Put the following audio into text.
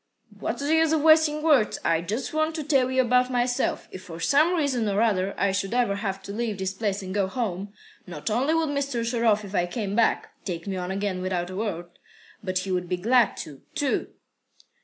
"What's the use of wasting words? I just want to tell you about myself. If for some reason or other I should ever have to leave this place and go home, not only would Mr. Sharov, if I came back, take me on again without a word, but he would be glad to, too."